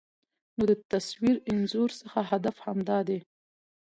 نو د تصوير انځور څخه هدف همدا دى